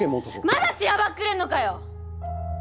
まだしらばっくれんのかよ！